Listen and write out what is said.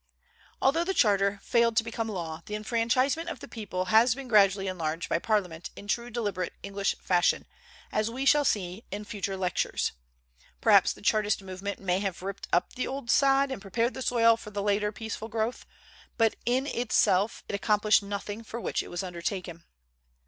Although the charter failed to become law, the enfranchisement of the people has been gradually enlarged by Parliament in true deliberate English fashion, as we shall see in future lectures. Perhaps the Chartist movement may have ripped up the old sod and prepared the soil for the later peaceful growth; but in itself it accomplished nothing for which it was undertaken.